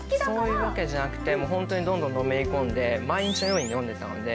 そういうわけじゃなくてホントにどんどんのめり込んで毎日のように読んでたので。